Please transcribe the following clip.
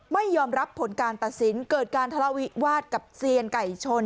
ไม่ยอมรับผลการตัดสินเกิดการทะเลาวิวาสกับเซียนไก่ชน